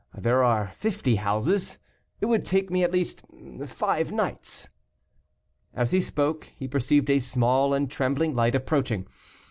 There are fifty houses; it would take me at least five nights." As he spoke, he perceived a small and trembling light approaching.